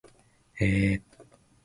えー